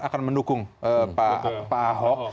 akan mendukung pak ahok